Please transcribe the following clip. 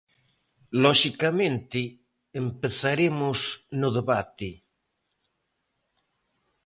Loxicamente, empezaremos no debate.